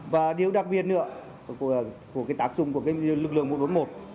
và điều đặc biệt nữa của cái tác dụng của lực lượng một trăm bốn mươi một